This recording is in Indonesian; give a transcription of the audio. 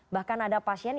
bahkan ada pasien yang